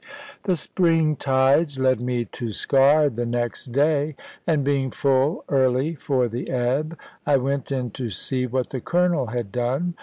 The spring tides led me to Sker the next day, and being full early for the ebb, I went in to see what the Colonel had done.